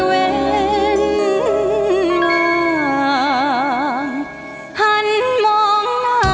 โปรดติดตามตอนต่อไป